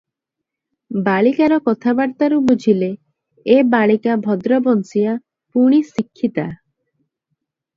ବାଳିକାର କଥାବାର୍ତ୍ତାରୁ ବୁଝିଲେ, ଏ ବାଳିକା ଭଦ୍ର ବଂଶୀୟା- ପୁଣି ଶିକ୍ଷିତା ।